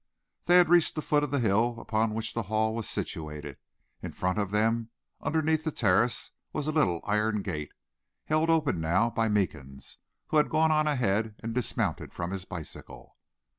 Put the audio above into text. They had reached the foot of the hill upon which the Hall was situated. In front of them, underneath the terrace, was a little iron gate, held open now by Meekins, who had gone on ahead and dismounted from his bicycle.